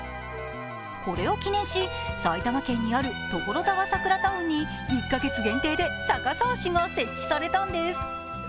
これを記念し、埼玉県にあるところざわサクラタウンに１カ月限定で逆さ足が設置されたんです。